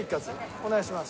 お願いします。